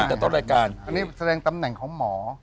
อันนี้แสดงตำแหน่งของหมอ